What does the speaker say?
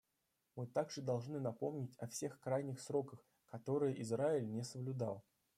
Мы также должны напомнить о всех крайних сроках, которые Израиль не соблюдал.